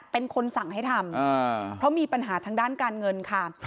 เป็นคนสั่งให้ทำเพราะมีปัญหาทางด้านการเงินค่ะ